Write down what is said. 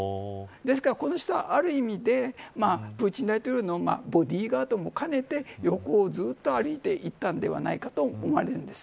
ですから、この人はある意味でプーチン大統領のボディーガードも兼ねて横をずっと歩いていたんではないかと思われるんです。